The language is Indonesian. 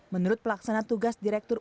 menurut pelaksana tugas direktur